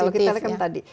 kalau kita lihat kan tadi